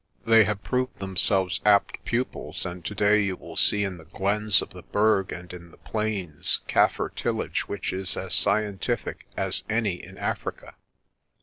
They have proved themselves apt pupils, and today you will see in the glens of the Berg and in the plains Kaffir tillage which is as scientific as any in Africa.